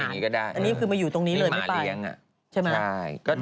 อันนี้ก็ได้นี่หมาเลี้ยงใช่ไหม